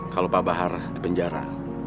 kalau pak bahar di penjara